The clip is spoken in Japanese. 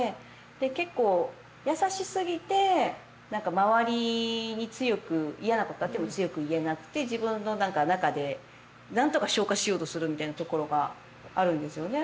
で結構優しすぎて何か周りに強く嫌なことがあっても強く言えなくて自分の中でなんとか消化しようとするみたいなところがあるんですよね